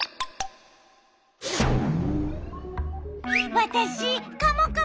わたしカモカモ！